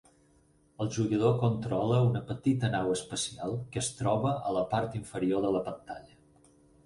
El jugador controla una petita nau espacial que es troba a la part inferior de la pantalla.